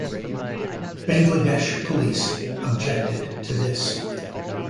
Bangladesh Police objected to this.